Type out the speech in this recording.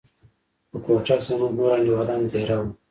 په کوټه کښې زموږ نور انډيوالان دېره وو.